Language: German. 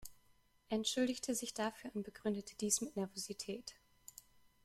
Er entschuldigte sich dafür und begründete dies mit Nervosität.